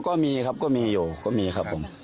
ก็มีครับก็มีอยู่ก็มีครับผม